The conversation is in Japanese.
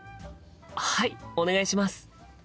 はいお願いします！